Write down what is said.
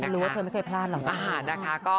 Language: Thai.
รู้ว่าเธอไม่เคยพลาดหรอกนะ